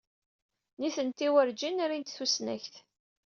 Nitenti werǧin rint tusnakt.